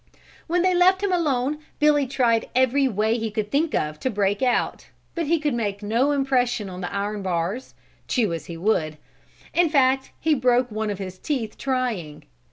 When they left him alone Billy tried every way he could think of to break out, but he could make no impression on the iron bars, chew as he would, in fact, he broke one of his teeth trying.